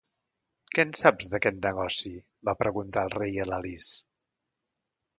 Què en saps d"aquest negoci? va preguntar el rei a l"Alice.